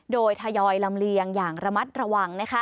โดยทยอยลำเลียงอย่างระมัดระวัง